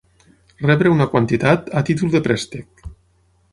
Rebre una quantitat a títol de préstec.